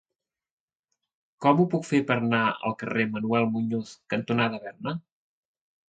Com ho puc fer per anar al carrer Manuel Muñoz cantonada Berna?